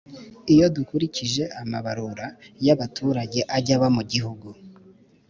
iyo dukurikije amabarura y'abaturage ajya aba mu gihugu,